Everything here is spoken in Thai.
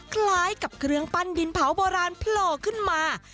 คล้ายกับเครื่องปั้นดินเผาโบราณโผล่ขึ้นมา